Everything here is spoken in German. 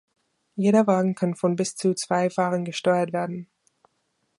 Jeder Wagen kann von bis zu zwei Fahrern gesteuert werden.